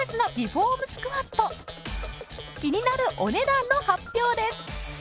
気になるお値段の発表です。